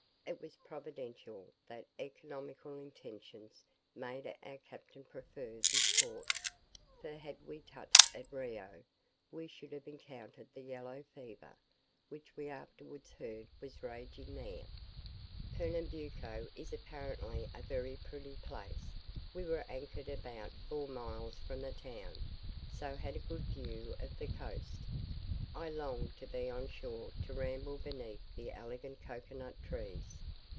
It was providential that economical intentions made our captain prefer this port, for had we touched at Rio, we should have encountered the yellow fever, which we afterwards heard was raging there. Pernambuco is apparently a very pretty place. We were anchored about four miles from the town, so had a good view of the coast. I longed to be on shore to ramble beneath the elegant cocoa nut trees.